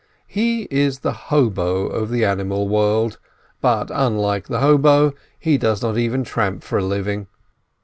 He is the hobo of the animal world, but, unlike the hobo, he does not even tramp for a living.